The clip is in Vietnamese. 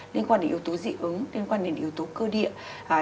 liên quan đến yếu tố dị ứng liên quan đến yếu tố cơ địa